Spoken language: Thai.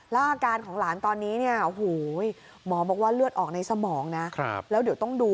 แล้วอาการของหลานตอนนี้เนี่ย